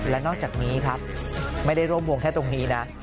และนอกจากนี้ครับไม่ได้ร่วมวงแค่ตรงนี้นะ